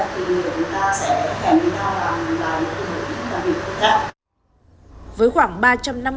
thì chúng ta sẽ hành vi cao làm vài lúc đồng hồ tính làm việc khác